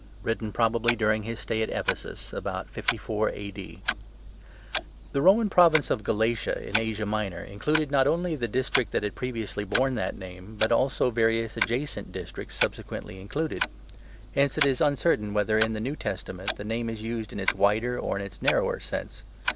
WRITTEN PROBABLY DURING HIS STAY AT EPHESUS, ABOUT 54 A.D. THE Roman province of 'Galatia,' in Asia Minor, included, not only the district which had previously borne that name, but also various adjacent districts subsequently included. Hence it is uncertain whether, in the New Testament, the name is used in its wider or in its narrower sense.